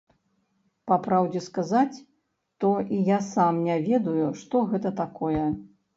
Па праўдзе сказаць, то і я сам не ведаю, што гэта такое.